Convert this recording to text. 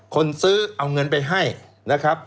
คนซื้อเอาเงินไปให้นะครับ